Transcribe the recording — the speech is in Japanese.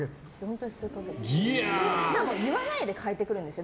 しかも言わないで替えてくるんですよ。